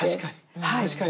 確かに。